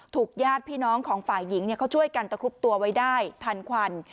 ญาติพี่น้องของฝ่ายหญิงเขาช่วยกันตะครุบตัวไว้ได้ทันควัน